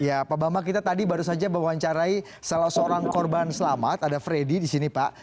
ya pak bambang kita tadi baru saja membawang carai salah seorang korban selamat ada fredy disini pak